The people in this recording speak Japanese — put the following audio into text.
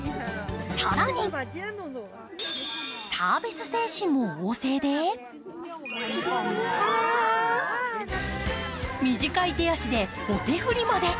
更に、サービス精神も旺盛で短い手足で、お手振りまで。